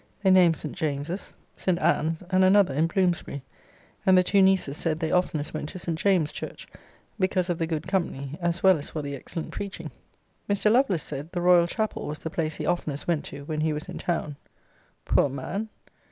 They named St. James's, St. Anne's, and another in Bloomsbury; and the two nieces said they oftenest went to St. James's church, because of the good company, as well as for the excellent preaching. Mr. Lovelace said, the Royal Chapel was the place he oftenest went to, when he was in town. Poor man!